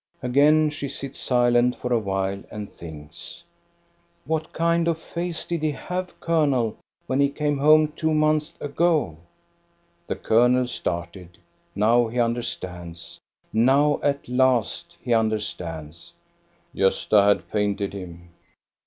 " Again she sits silent for a while and thinks. (t BROBY FAIR 435 "What kind of a face did he have, colonel, when he came home two months ago ?" The colonel started. Now he understands; now at last he understands. " Gosta had painted him.